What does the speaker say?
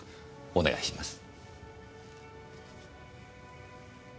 お願いします。